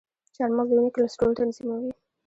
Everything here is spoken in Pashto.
چارمغز د وینې کلسترول تنظیموي.